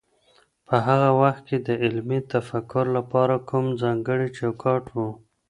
په هغه وخت کي د علمي تفکر لپاره کوم ځانګړی چوکاټ و؟